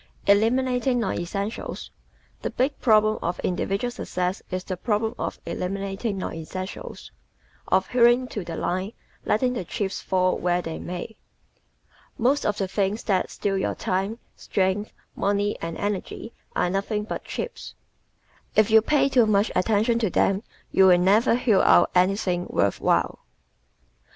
Eliminating Non Essentials ¶ The big problem of individual success is the problem of eliminating non essentials of "hewing to the line, letting the chips fall where they may." Most of the things that steal your time, strength, money and energy are nothing but chips. If you pay too much attention to them you will never hew out anything worth while.